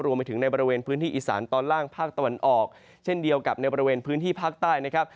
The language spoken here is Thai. รวมไปถึงในบริเวณพื้นที่อีสานตอนล่างภาคตะวันออกเช่นเดียวกับในบริเวณพื้นที่ภาคใต้นะครับ